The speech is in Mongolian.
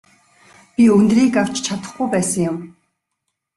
Би үнэрийг авч чадахгүй байсан юм.